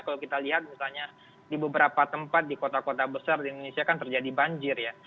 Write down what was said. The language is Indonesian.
kalau kita lihat misalnya di beberapa tempat di kota kota besar di indonesia kan terjadi banjir ya